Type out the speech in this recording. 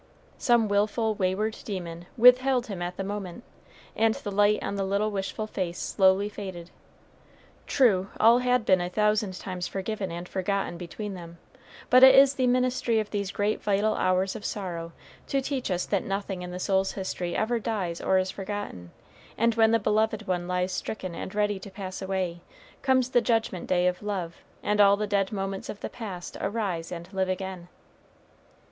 Some willful wayward demon withheld him at the moment, and the light on the little wishful face slowly faded. True, all had been a thousand times forgiven and forgotten between them, but it is the ministry of these great vital hours of sorrow to teach us that nothing in the soul's history ever dies or is forgotten, and when the beloved one lies stricken and ready to pass away, comes the judgment day of love, and all the dead moments of the past arise and live again.